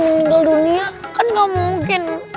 meninggal dunia kan gak mungkin